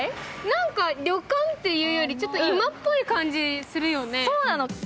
なんか旅館というより、ちょっと今っぽい感じするよね。